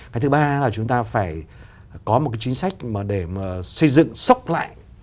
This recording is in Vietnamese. cái thứ ba là chúng ta phải có một cái chính sách mà để mà xây dựng sốc lại